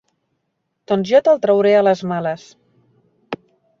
Doncs jo te'l trauré a les males.